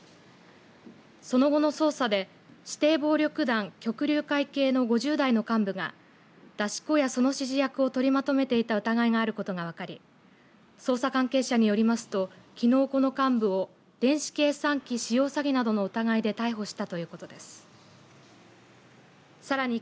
その後の捜査で指定暴力団、旭琉會系の５０代の幹部が出し子やその指示役を取りまとめていた疑いがあることが分かり捜査関係者によりますときのう、この幹部を電子計算機使用詐欺などの疑いで逮捕したということです。